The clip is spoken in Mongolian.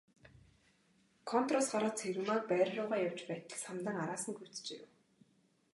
Контороос гараад Цэрэгмааг байр руугаа явж байтал Самдан араас нь гүйцэж ирэв.